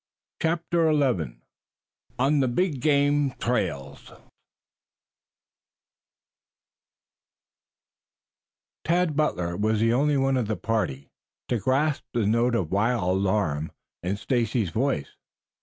CHAPTER XI ON THE BIG GAME TRAILS Tad Butler was the only one of the party to grasp the note of wild alarm in Stacy's voice.